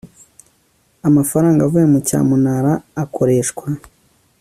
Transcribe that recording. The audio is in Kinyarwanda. Amafaranga avuye mu cyamunara akoreshwa